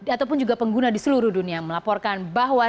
ataupun juga pengguna di seluruh dunia melaporkan bahwa